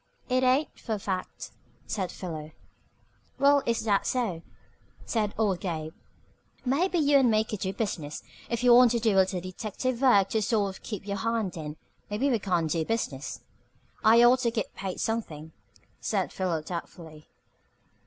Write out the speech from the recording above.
"It ain't, for a fact," said Philo. "Well, if that's so," said old Gabe, "maybe you and me could do business. If you want to do a little detective work to sort of keep your hand in, maybe we can do business." "I ought to git paid something," said Philo doubtfully.